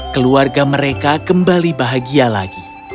keluarga mereka kembali bahagia lagi